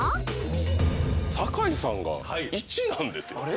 酒井さんが１なんですよ。